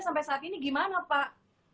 sampai saat ini gimana pak